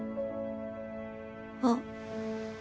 あっ。